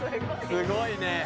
すごいね。